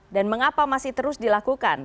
dan mengapa masih terus dilakukan